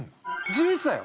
１１歳よ。